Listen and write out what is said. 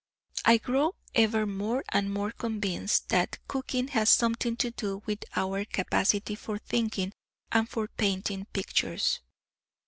I grow ever more and more convinced that cooking has something to do with our capacity for thinking and for painting pictures.